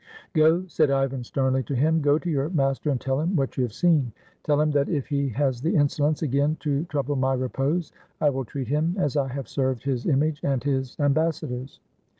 "Go," said Ivan sternly to him, "go to your master and tell him what you have seen ; tell him that if he has the insolence again to trouble my repose, I will treat him as I have served his image and his ambassadors."